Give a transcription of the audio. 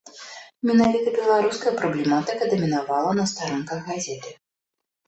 Менавіта беларуская праблематыка дамінавала на старонках газеты.